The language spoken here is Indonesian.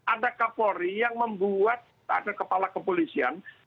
ada kapolri yang membuat ada kepala kepolisian